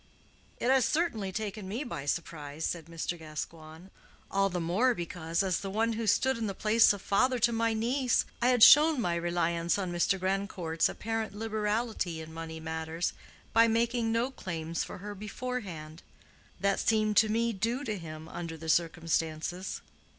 "It has certainly taken me by surprise," said Mr. Gascoigne, "all the more because, as the one who stood in the place of father to my niece, I had shown my reliance on Mr. Grandcourt's apparent liberality in money matters by making no claims for her beforehand. That seemed to me due to him under the circumstances.